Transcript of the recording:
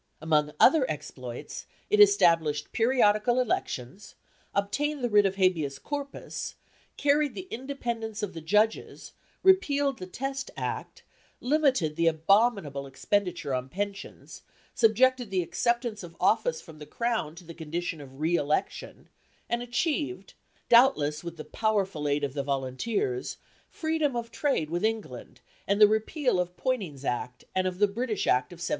Among other exploits, it established periodical elections, obtained the writ of Habeas Corpus, carried the independence of the judges, repealed the Test Act, limited the abominable expenditure on pensions, subjected the acceptance of office from the crown to the condition of re election, and achieved, doubtless with the powerful aid of the volunteers, freedom of trade with England, and the repeal of Poynings's Act, and of the British Act of 1719.